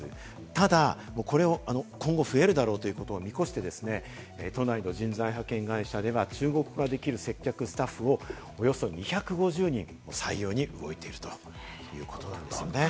ただ、これを今後増えるだろうということを見越して、都内の人材派遣会社では、中国語ができる接客スタッフをおよそ２５０人採用に動いているということです。